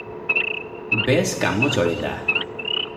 ବେଶ କାମ ଚଳିଲା ।